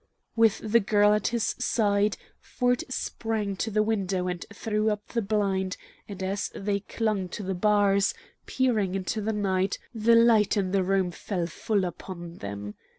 With the girl at his side, Ford sprang to the window and threw up the blind, and as they clung to the bars, peering into the night, the light in the room fell full upon them.